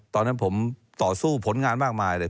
ตอนนั้นผมต่อสู้ผลงานมากมายเลย